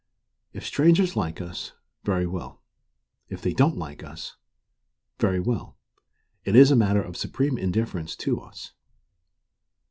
If strangers like us, very well; if they don't like us, very well. It is a matter of supreme indifference to us."